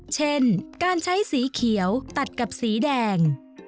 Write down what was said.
เช่นการใช้สีเขียวตัดกับสีแดง